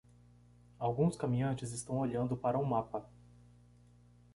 Alguns caminhantes estão olhando para um mapa.